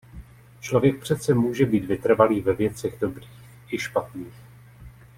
Člověk přece může být vytrvalý ve věcech dobrých i špatných.